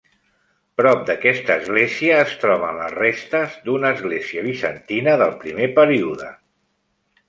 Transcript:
Prop d'aquesta església es troben les restes d'una església bizantina del primer període.